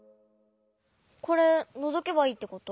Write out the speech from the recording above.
これのぞけばいいってこと？